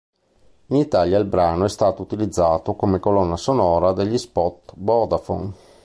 In Italia il brano è stato utilizzato come colonna sonora degli spot Vodafone.